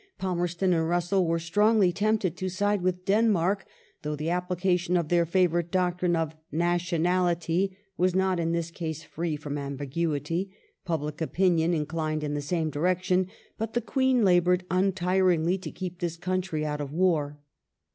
Palmerston and Russell were strongly tempted to side with Denmark, though the application of their favourite doctrine of " nationality " was not in this case free from ambiguity ; public opinion inclined in the same direction, but the Queen laboured untiringly to keep this country out of war.